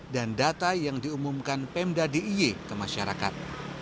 dan data yang diumumkan pemda d i i ke masyarakat